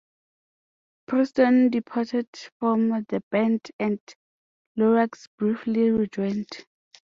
Preston departed from the band, and Lorax briefly rejoined.